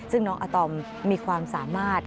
ซึ่งน้องอาตอมมีความสามารถ